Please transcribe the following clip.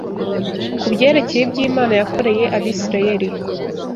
Ku byerekeye ibyo Imana yakoreye Abisirayeli